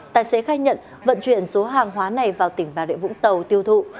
tài xế khai nhận vận chuyển số hàng hóa này vào tỉnh bà rịa vũng tàu tiêu thụ